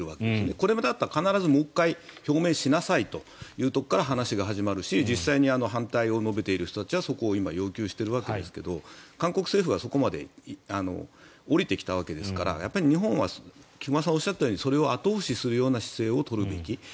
これまでだったら、必ずもう１回表明しなさいというところから始まるし実際に反対を述べている人たちはそこを要求しているわけですが韓国政府はそこまで下りてきたわけですから日本は菊間さんがおっしゃったとおりそれを後押しするような姿勢を取るべき。